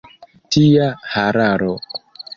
Tia hararo!